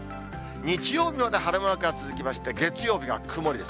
日曜日まで晴れマークが続きまして、月曜日が曇りです。